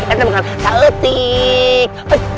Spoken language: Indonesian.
itu bukan hal utik